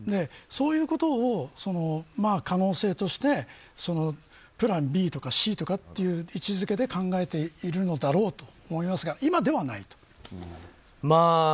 そういうことを可能性としてプランＢとかＣとかいう位置づけで考えているのだろうと思いますが今ではないと思います。